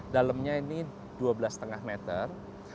dalamnya ini dua belas lima meter